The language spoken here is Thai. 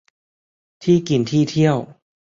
ที่กินที่เที่ยว